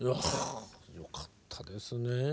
あよかったですね。